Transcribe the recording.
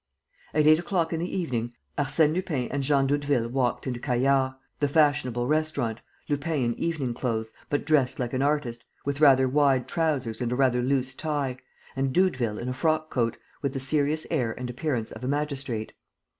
At eight o'clock in the evening, Arsène Lupin and Jean Doudeville walked into Caillard's, the fashionable restaurant, Lupin in evening clothes, but dressed like an artist, with rather wide trousers and a rather loose tie, and Doudeville in a frock coat, with the serious air and appearance of a magistrate.